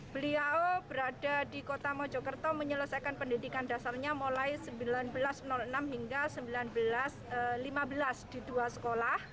beliau berada di kota mojokerto menyelesaikan pendidikan dasarnya mulai seribu sembilan ratus enam hingga seribu sembilan ratus lima belas di dua sekolah